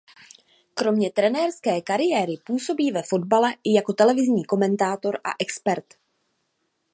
Kromě trenérské kariéry působí ve fotbale i jako televizní komentátor a expert.